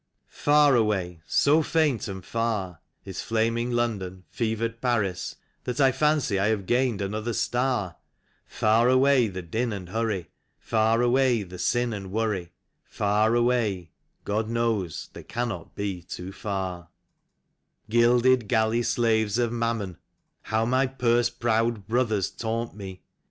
Far away, so faint and far, is flaming London, fevered Paris, That I fancy I have gained another star; Far away the din and hurry, far away the sin and worry. Far away — ^God knows they cannot be too far. THE RHYME OF THE REMITTANCE MAN. 53 Gilded galley slaves of jMammon — how my purse proud brothers taunt me!